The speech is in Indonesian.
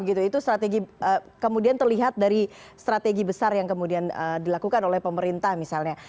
itu strategi kemudian terlihat dari strategi besar yang kemudian dilakukan oleh pemerintah misalnya